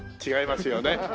違いますよね。